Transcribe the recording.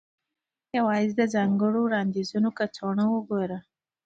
یوازې د ځانګړو وړاندیزونو کڅوړې وګوره